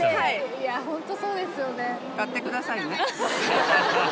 いやホントそうですよね。